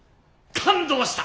感動した！